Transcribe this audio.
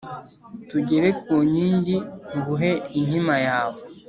tugere ku nkingi nguhe inkima yawe